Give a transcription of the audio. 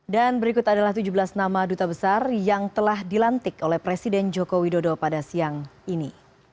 berikut adalah tujuh belas nama duta besar yang telah dilantik oleh presiden joko widodo pada siang ini